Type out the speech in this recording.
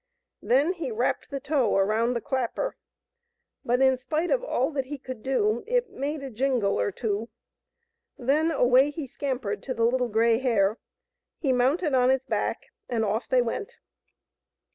Then he wrapped the tow around the clapper, but, in spite of all that he could do, it made a jingle or two. Then away he scampered to the Little Grey Hare. He mounted on its back, and off they went.